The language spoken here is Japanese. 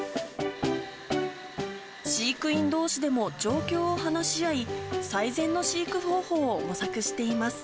飼育員どうしでも状況を話し合い、最善の飼育方法を模索しています。